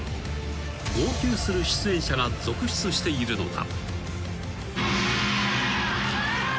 ［号泣する出演者が続出しているのだ］